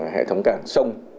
hệ thống cảng sông